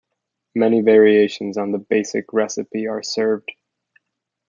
Many variations on the basic recipe are served.